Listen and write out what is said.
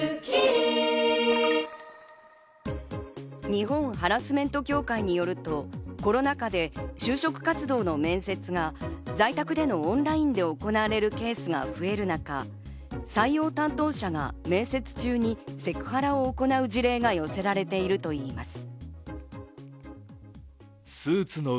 日本ハラスメント協会によると、コロナ禍で就職活動の面接が在宅でのオンラインで行われるケースが増える中、採用担当者が面接中にセクハラを行う事例が寄せられているといいます。